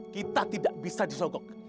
kita tidak bisa disokok